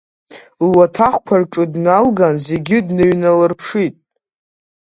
Луаҭахқәа рҿы дналган зегьы дныҩналырԥшит.